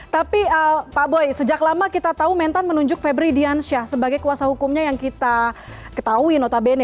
tapi pak boy sejak lama kita tahu mentan menunjuk febri diansyah sebagai kuasa hukumnya yang kita ketahui notabene